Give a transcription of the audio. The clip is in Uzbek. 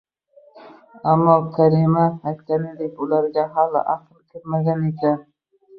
Ammo, Karima aytganidek, ularga hali aql kirmagan ekan